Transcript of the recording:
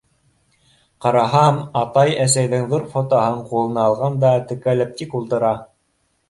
Ҡараһам, атай әсәйҙең ҙур фотоһын ҡулына алған да, текәлеп тик ултыра.